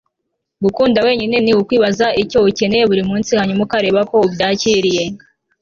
gukunda wenyine ni ukwibaza icyo ukeneye - burimunsi - hanyuma ukareba ko ubyakiriye